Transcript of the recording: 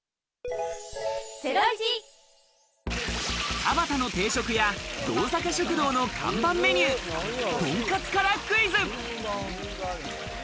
田端の定食屋、動坂食堂の看板メニュー、とんかつからクイズ。